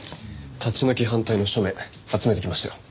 立ち退き反対の署名集めてきましたよ。